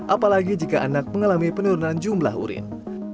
apalagi jika anak mengalami penurunan jumlah urin